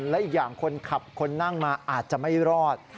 และอีกอย่างคนขับคนนั่งมาอาจจะไม่รอด